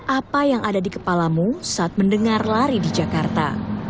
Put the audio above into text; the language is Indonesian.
apa yang ada di kepalamu saat mendengar lari di jakarta